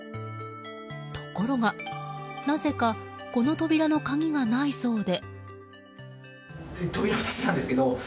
ところが、なぜかこの扉の鍵がないそうで。